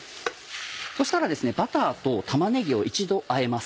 そしたらですねバターと玉ねぎを一度あえます。